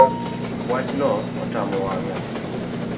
Wachno otamo wang’a